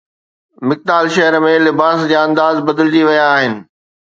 مڪتال شهر ۾ لباس جا انداز بدلجي ويا آهن